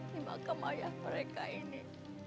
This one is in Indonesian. di makam ayah mereka ini